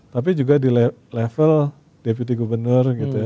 tapi juga di level deputi gubernur gitu ya